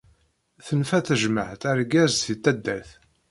Tenfa tejmaɛt argaz seg taddart.